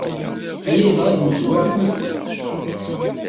Aya yeḍra deg umezwaru n Mayyu.